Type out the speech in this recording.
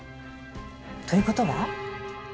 ということは？